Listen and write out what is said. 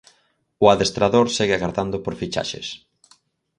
O adestrador segue agardando por fichaxes.